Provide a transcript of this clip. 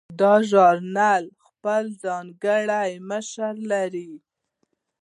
دا ژورنال خپل ځانګړی مشر لري.